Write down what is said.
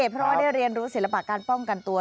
เพราะว่าได้เรียนรู้ศิลปะการป้องกันตัว